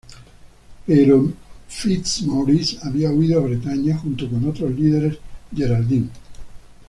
Pero FitzMaurice había huido a Bretaña junto con otros líderes Geraldine.